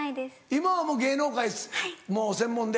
今はもう芸能界専門で。